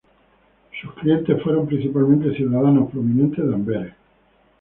Sus clientes fueron principalmente ciudadanos prominentes de Amberes.